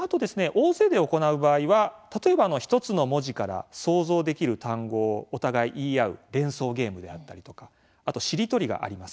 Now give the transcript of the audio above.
大勢で行う場合は例えば１つの文字から想像できる単語をお互い言い合う連想ゲームであったりとかあとしりとりがあります。